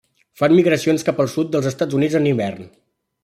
Fan migracions cap al sud dels Estats Units en hivern.